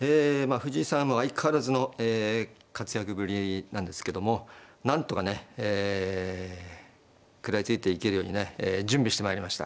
藤井さんは相変わらずの活躍ぶりなんですけどもなんとかね食らいついていけるようにね準備してまいりました。